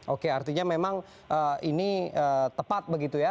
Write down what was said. oke artinya memang ini tepat begitu ya